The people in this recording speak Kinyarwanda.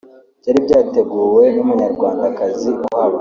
byari byateguwe n’Umunyarwandakazi uhaba